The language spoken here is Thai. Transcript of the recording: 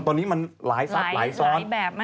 ตอนนี้มันหลายซักหลายซ้อนหลายแบบมากจริง